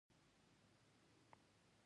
افغانستان د خپلو کوچیانو له امله شهرت لري.